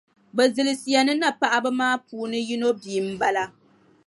Bɛ zilisiya ni napaɣiba maa puuni yino bia m-bala.